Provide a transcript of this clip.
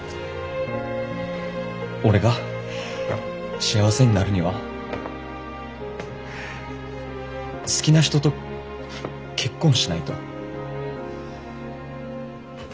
俺が幸せになるには好きな人と結婚しないと。